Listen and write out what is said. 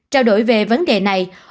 trao đổi về vấn đề này